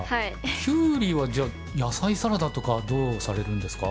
キュウリはじゃあ野菜サラダとかどうされるんですか？